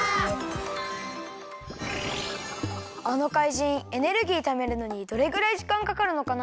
あの怪人エネルギーためるのにどれぐらいじかんかかるのかな？